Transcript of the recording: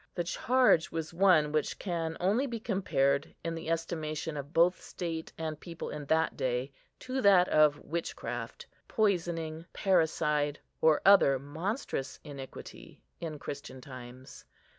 The charge was one which can only be compared, in the estimation of both state and people in that day, to that of witchcraft, poisoning, parricide, or other monstrous iniquity in Christian times.